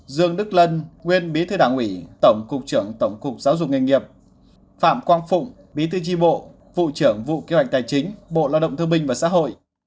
dương đức lân nguyên bí thư đảng ủy tổng cục trưởng tổng cục giáo dục nghề nghiệp phạm quang phụng bí tư tri bộ vụ trưởng vụ kế hoạch tài chính bộ lao động thương minh và xã hội